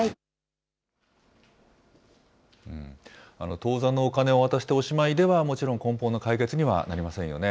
当座のお金を渡しておしまいでは、根本の解決にはなりませんよね。